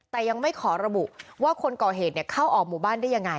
แต่ยังไม่ขอระบุว่าคนก่อเหตุเข้าออกหมู่บ้านได้ยังไง